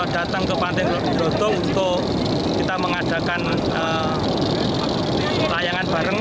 datang ke pantai delodo untuk kita mengadakan layangan bareng